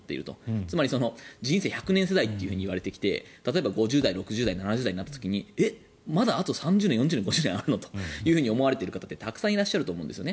つまり、人生１００年時代といわれてきて５０代、６０代、７０代となった時にえ、まだあと３０年、４０年、５０年あるのって思われている方ってたくさんいらっしゃると思うんですね。